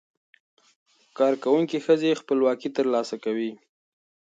کارکوونکې ښځې خپلواکي ترلاسه کوي.